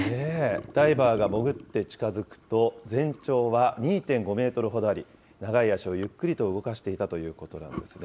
ダイバーが潜って近づくと、全長は２．５メートルほどあり、長い足をゆっくりと動かしていたということなんですね。